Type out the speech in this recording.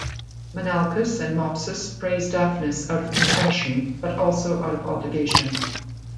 Menalcas and Mopsus praise Daphnis out of compassion but also out of obligation.